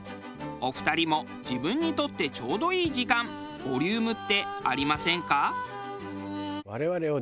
お二人も自分にとってちょうどいい時間・ボリュームってありませんか？